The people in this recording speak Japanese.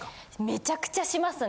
めちゃくちゃしますね。